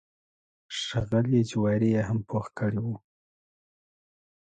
ښه غلي جواري یې هم پوخ کړی و.